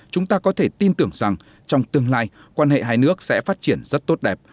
chúng ta có thể tin tưởng rằng trong tương lai quan hệ hai nước sẽ phát triển rất tốt đẹp